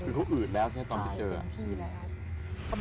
คือเขาอืดแล้วที่นี่ตอนที่เจอ